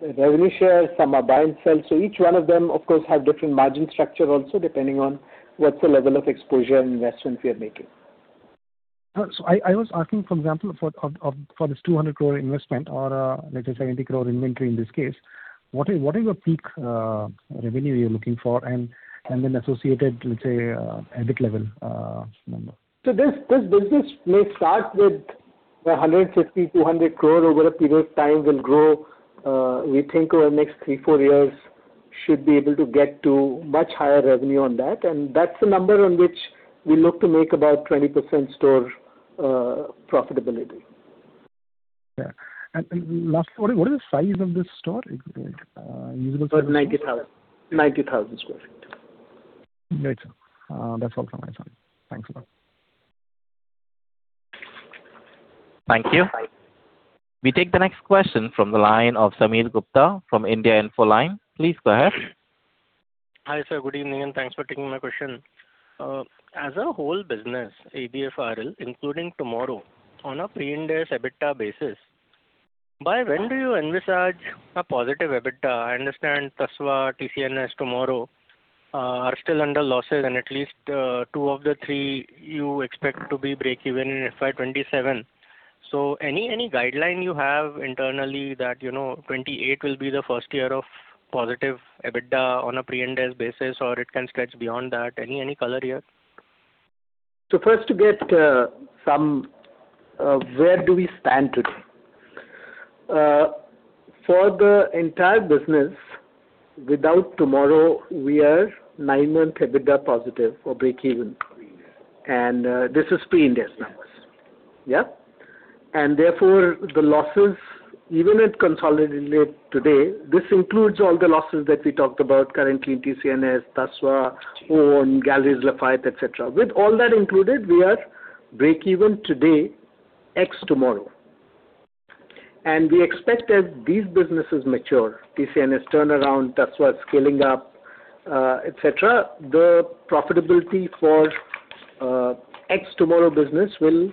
revenue shares, some are buy and sell. So each one of them, of course, have different margin structure also, depending on what's the level of exposure and investments we are making. So I was asking, for example, for this 200 crore investment or, let's say, 90 crore inventory in this case, what is your peak revenue you're looking for, and then associated to, say, EBIT level number? So this, this business may start with 150-200 crore over a period of time will grow. We think over the next 3-4 years, should be able to get to much higher revenue on that. And that's the number on which we look to make about 20% store profitability. Yeah. And, and lastly, what is, what is the size of this store? Usable- About 90,000 sq ft. Great, sir. That's all from my side. Thanks a lot. Thank you. We take the next question from the line of Sameer Gupta from India Infoline. Please go ahead. Hi, sir. Good evening, and thanks for taking my question. As a whole business, ABFRL, including TMRW, on a pre-Ind AS EBITDA basis, by when do you envisage a positive EBITDA? I understand Tasva, TCNS, TMRW, are still under losses, and at least, two of the three you expect to be breakeven in FY 2027. So any, any guideline you have internally that, you know, 2028 will be the first year of positive EBITDA on a pre-Ind AS basis, or it can stretch beyond that? Any, any color here? So, first, where do we stand today? For the entire business, without TMRW, we are nine-month EBITDA positive or breakeven. This is pre-Ind AS numbers. Yeah? Therefore, the losses, even at consolidated today, this includes all the losses that we talked about currently in TCNS, Tasva, OWND, Galeries Lafayette, et cetera. With all that included, we are breakeven today, ex TMRW. We expect as these businesses mature, TCNS turnaround, Tasva scaling up, et cetera, the profitability for ex-TMRW business will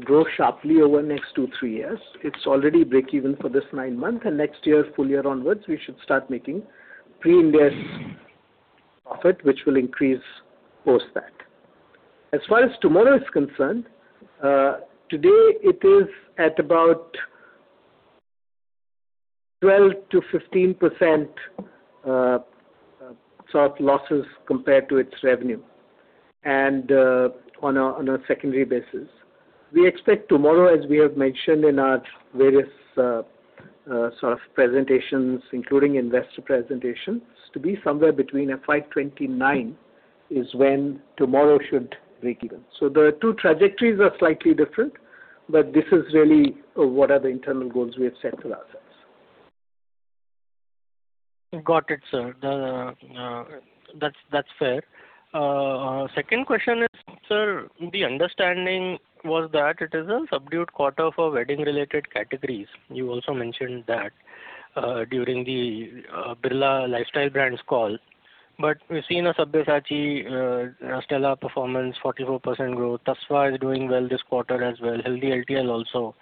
grow sharply over the next two, three years. It's already breakeven for this nine month, and next year, full year onwards, we should start making pre-Ind AS profit, which will increase post that. As far as TMRW is concerned, today it is at about 12%-15%, sort of, losses compared to its revenue, and on a secondary basis. We expect TMRW, as we have mentioned in our various, sort of presentations, including investor presentations, to be somewhere between FY 2029, is when TMRW should breakeven. So the two trajectories are slightly different, but this is really, what are the internal goals we have set for ourselves. Got it, sir. That's fair. Second question is, sir, the understanding was that it is a subdued quarter for wedding-related categories. You also mentioned that during the Birla Lifestyle Brands call, but we've seen a Sabyasachi stellar performance, 44% growth. Tasva is doing well this quarter as well, healthy LTL also.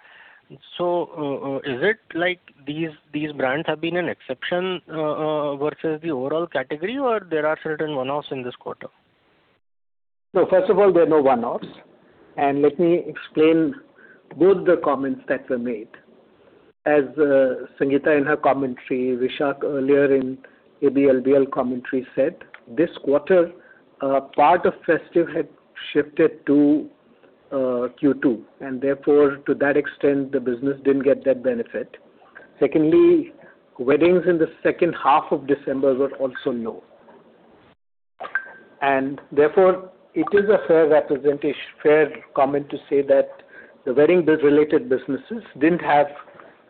So, is it like these brands have been an exception versus the overall category, or there are certain one-offs in this quarter? No, first of all, there are no one-offs, and let me explain both the comments that were made. As Sangeeta in her commentary, Vishak earlier in ABFRL commentary said, this quarter, part of festive had shifted to Q2, and therefore, to that extent, the business didn't get that benefit. Secondly, weddings in the second half of December were also low. And therefore, it is a fair comment to say that the wedding related businesses didn't have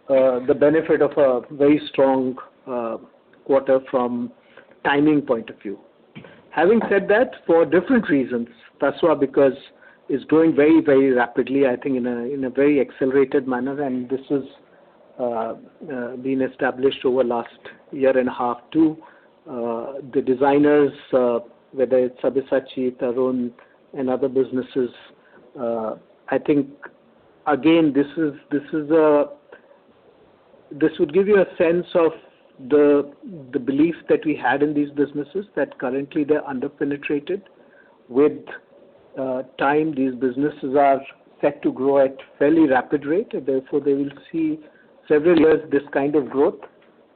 the benefit of a very strong quarter from timing point of view. Having said that, for different reasons, Tasva, because it's growing very, very rapidly, I think in a very accelerated manner, and this is been established over last year and a half, too. The designers, whether it's Sabyasachi, Tarun, and other businesses, I think, again, this is, this would give you a sense of the belief that we had in these businesses, that currently they're under-penetrated. With time, these businesses are set to grow at fairly rapid rate, and therefore, they will see several years this kind of growth,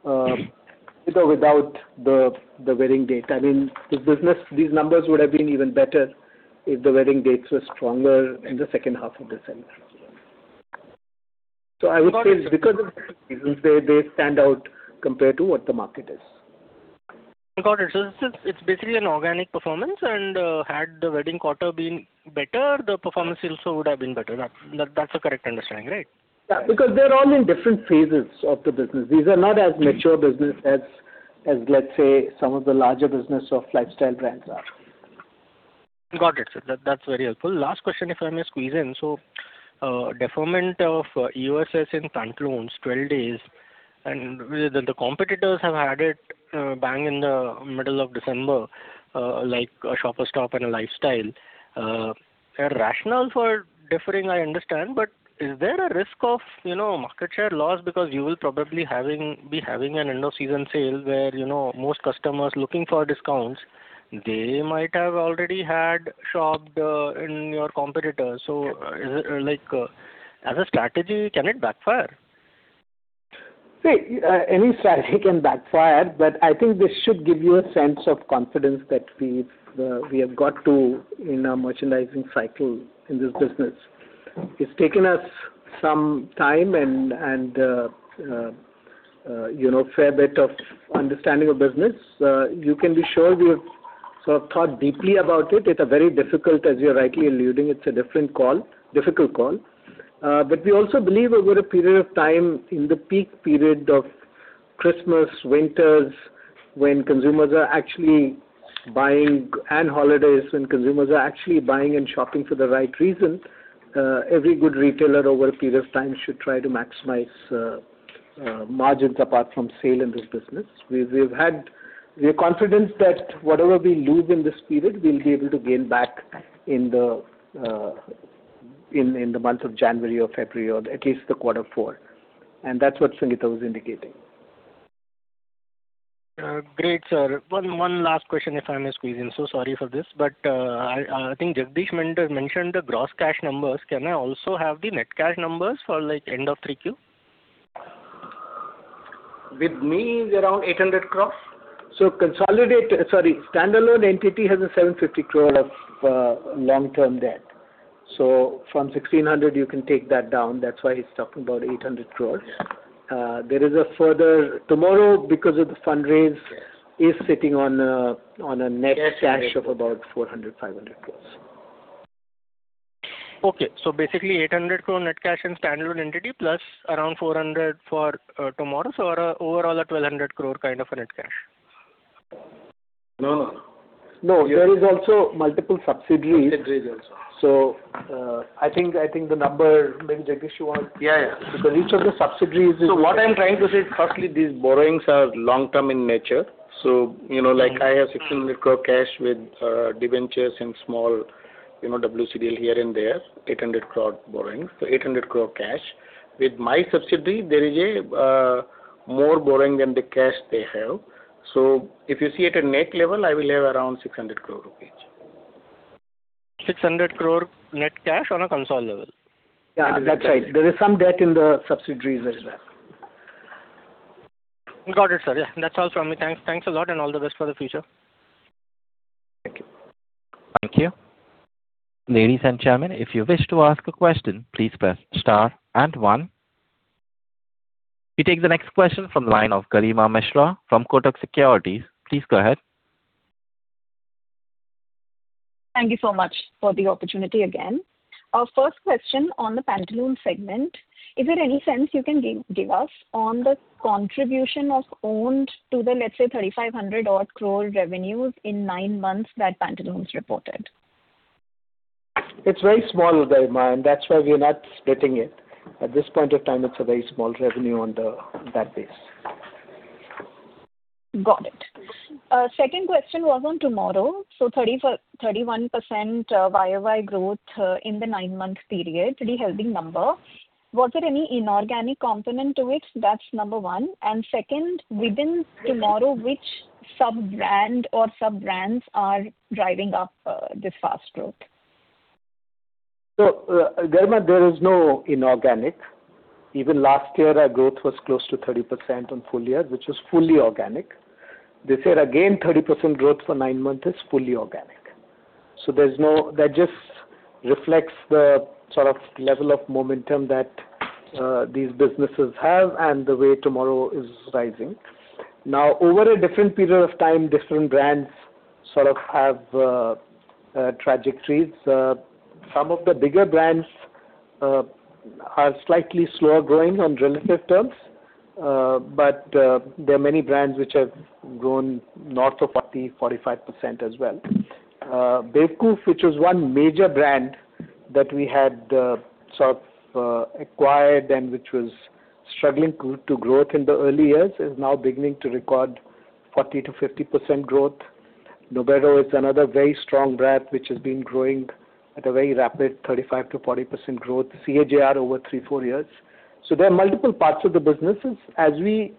with or without the wedding date. I mean, the business, these numbers would have been even better if the wedding dates were stronger in the second half of December. So I would say it's because of they, they stand out compared to what the market is. Got it. So it's, it's basically an organic performance, and had the wedding quarter been better, the performance also would have been better. That, that's a correct understanding, right? Yeah, because they're all in different phases of the business. These are not as mature business as, let's say, some of the larger business of lifestyle brands are. Got it, sir. That, that's very helpful. Last question, if I may squeeze in: so, deferment of EOSS in Pantaloons, 12 days, and the competitors have had it bang in the middle of December, like a Shoppers Stop and a Lifestyle. A rationale for deferring, I understand, but is there a risk of, you know, market share loss? Because you will probably having be having an end of season sale where, you know, most customers looking for discounts, they might have already had shopped in your competitors. So is it, like, as a strategy, can it backfire? See, any strategy can backfire, but I think this should give you a sense of confidence that we've, we have got to in our merchandising cycle in this business. It's taken us some time and, you know, fair bit of understanding of business. You can be sure we have sort of thought deeply about it. It's a very difficult, as you're rightly alluding, it's a different call, difficult call. But we also believe over a period of time, in the peak period of Christmas, winters, when consumers are actually buying, and holidays, when consumers are actually buying and shopping for the right reason, every good retailer over a period of time should try to maximize, margins apart from sale in this business. We've, we've had... We are confident that whatever we lose in this period, we'll be able to gain back in the months of January or February, or at least the quarter four, and that's what Sangeeta was indicating. Great, sir. One last question, if I may squeeze in. So sorry for this, but I think Jagdish Bajaj mentioned the gross cash numbers. Can I also have the net cash numbers for, like, end of three Q? With me, is around 800 crore. So consolidate, sorry, standalone entity has 750 crore of long-term debt. So from 1,600, you can take that down. That's why he's talking about 800 crore. There is a further TMRW, because of the fundraise, is sitting on a net cash of about 400-500 crore. Okay. So basically, 800 crore net cash in standalone entity, plus around 400 crore for TMRW. So our overall, 1,200 crore kind of a net cash. No, no. No, there is also multiple subsidiaries- Subsidiaries also. So, I think, I think the number... Maybe, Jagdish, you want- Yeah, yeah. Because each of the subsidiaries is- So what I'm trying to say is, firstly, these borrowings are long-term in nature. So, you know, like I have 16 crore cash with, debentures and small, you know, WCDL here and there, 800 crore borrowings, so 800 crore cash. With my subsidiary, there is a, more borrowing than the cash they have. So if you see at a net level, I will have around 600 crore rupees. 600 crore net cash on a consolidated level? Yeah, that's right. There is some debt in the subsidiaries as well. Got it, sir. Yeah, that's all from me. Thanks, thanks a lot, and all the best for the future. Thank you. Thank you. Ladies and gentlemen, if you wish to ask a question, please press star and one. We take the next question from the line of Garima Mishra from Kotak Securities. Please go ahead. Thank you so much for the opportunity again. Our first question on the Pantaloons segment. Is there any sense you can give, give us on the contribution of OWND! to the, let's say, 3,500 odd crore revenues in nine months that Pantaloons reported? ...It's very small, Garima, and that's why we are not splitting it. At this point of time, it's a very small revenue on that base. Got it. Second question was on TMRW. So 34.31% Y-o-Y growth in the nine-month period, pretty healthy number. Was there any inorganic component to it? That's number one. And second, within TMRW, which sub-brand or sub-brands are driving up this fast growth? So, Garima, there is no inorganic. Even last year, our growth was close to 30% on full year, which was fully organic. This year, again, 30% growth for nine months is fully organic. So there's no-- That just reflects the sort of level of momentum that these businesses have and the way TMRW is rising. Now, over a different period of time, different brands sort of have trajectories. Some of the bigger brands are slightly slower growing on relative terms, but there are many brands which have grown north of 40, 45% as well. Bewakoof, which was one major brand that we had sort of acquired and which was struggling to growth in the early years, is now beginning to record 40%-50% growth. Nobero is another very strong brand which has been growing at a very rapid 35%-40% growth, CAGR over 3-4 years. So there are multiple parts of the businesses. As we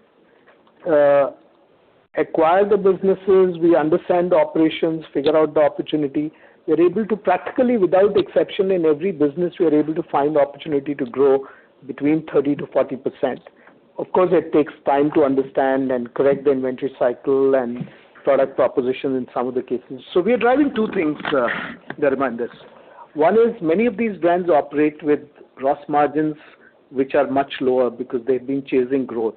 acquire the businesses, we understand the operations, figure out the opportunity, we're able to practically, without exception, in every business, we are able to find the opportunity to grow between 30%-40%. Of course, it takes time to understand and correct the inventory cycle and product proposition in some of the cases. So we are driving two things, Garima, in this. One is, many of these brands operate with gross margins, which are much lower because they've been chasing growth.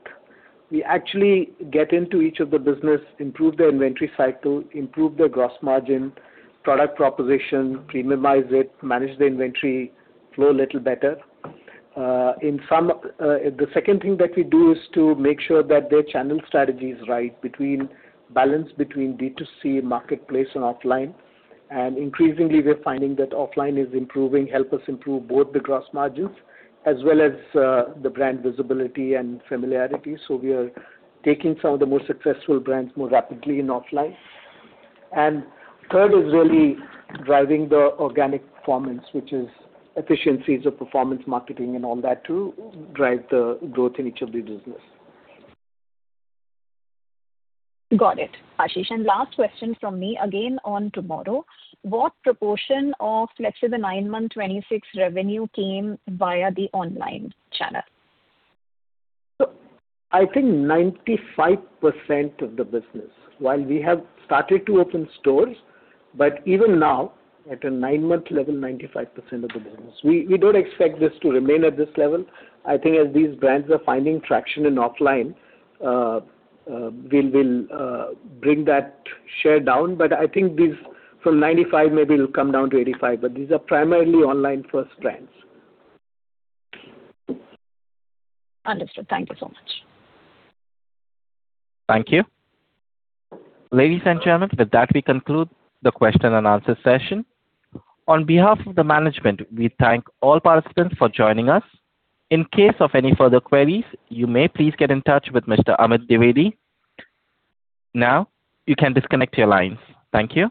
We actually get into each of the business, improve their inventory cycle, improve their gross margin, product proposition, premiumize it, manage the inventory flow a little better. In some, The second thing that we do is to make sure that their channel strategy is right between balance between D2C, marketplace and offline. And increasingly, we're finding that offline is improving, help us improve both the gross margins as well as, the brand visibility and familiarity. So we are taking some of the more successful brands more rapidly in offline. And third is really driving the organic performance, which is efficiencies of performance marketing and all that to drive the growth in each of the business. Got it, Ashish. Last question from me, again, on TMRW. What proportion of, let's say, the nine-month 26 revenue came via the online channel? So I think 95% of the business, while we have started to open stores, but even now, at a 9-month level, 95% of the business. We don't expect this to remain at this level. I think as these brands are finding traction in offline, we'll bring that share down. But I think these from 95, maybe it'll come down to 85, but these are primarily online first brands. Understood. Thank you so much. Thank you. Ladies and gentlemen, with that, we conclude the question and answer session. On behalf of the management, we thank all participants for joining us. In case of any further queries, you may please get in touch with Mr. Amit Dwivedi. Now, you can disconnect your lines. Thank you.